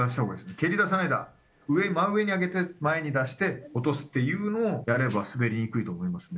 蹴りださないで真上に上げて前に出して落とすというのをやれば滑りにくいと思いますね。